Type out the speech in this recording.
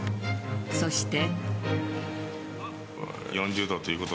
そして。